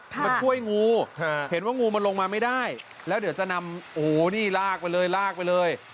มาช่วยงูเห็นว่างูมันลงมาไม่ได้แล้วเดี๋ยวจะนำโอ้โหนี่ลากไปเลยลากไปเลย